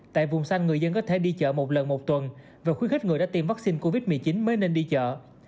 tại vùng xanh người dân có thể đi chợ một lần một tuần và khuyến khích người đã tiêm vaccine covid một mươi chín mới nên đi chợ